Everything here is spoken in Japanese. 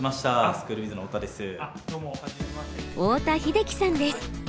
スクールウィズの太田です。